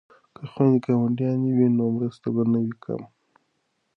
که خویندې ګاونډیانې وي نو مرسته به نه وي کمه.